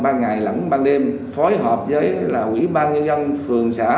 ban ngày lẫn ban đêm phối hợp với quỹ ban nhân dân phường xã